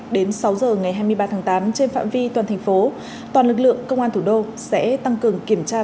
đến sáu giờ ngày hai mươi ba tháng tám trên phạm vi toàn thành phố toàn lực lượng công an thủ đô sẽ tăng cường kiểm tra